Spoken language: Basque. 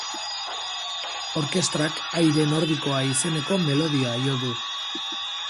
Orkestrak aire nordikoa izeneko melodia jo du.